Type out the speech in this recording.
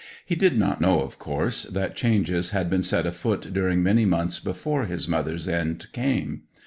He did not know, of course, that changes had been set afoot during many months before his mother's end came.